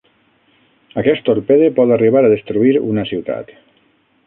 Aquest torpede pot arribar a destruir una ciutat.